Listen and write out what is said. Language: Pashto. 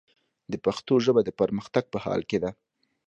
د پښتو ژبه، د پرمختګ په حال کې ده.